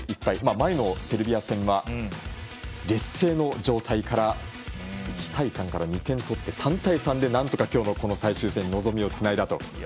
前のセルビア戦は劣勢の状態から１対３から２点取って、３対３でなんとか今日の最終戦に望みをつないだという。